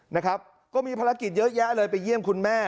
นะครับก็มีภารกิจเยอะแยะเลยไปเยี่ยมคุณแม่